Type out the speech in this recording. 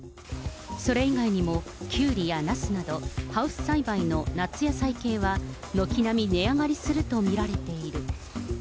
それ以外にも、キュウリやナスなど、ハウス栽培の夏野菜系は、軒並み値上がりすると見られている。